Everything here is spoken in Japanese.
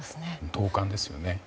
同感ですよね。